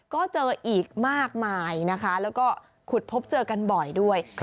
ก็เจออีกมากมายนะคะแล้วก็ขุดพบเจอกันบ่อยด้วย